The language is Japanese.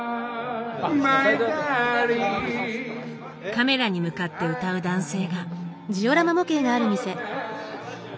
カメラに向かって歌う男性が。